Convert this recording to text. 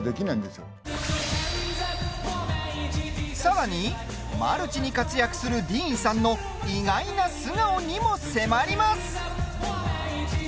さらに、マルチに活躍するディーンさんの意外な素顔にも迫ります。